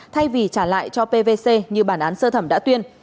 thay vì trả lại cho pvc như bản án sơ thẩm đã tuyên